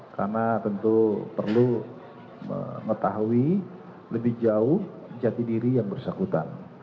karena tentu perlu mengetahui lebih jauh jati diri yang bersangkutan